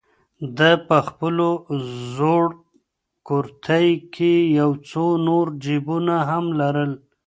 ده په خپل زوړ کورتۍ کې یو څو نور جېبونه هم لرل.